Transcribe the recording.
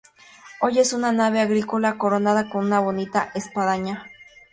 Hoy es una nave agrícola coronada con una bonita espadaña.